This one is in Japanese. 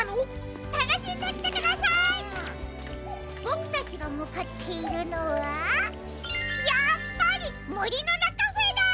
ボクたちがむかっているのはやっぱりモリノナカフェだ！